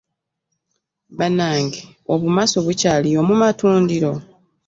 Bannange, obumasu bukyaliyo mu matundiro?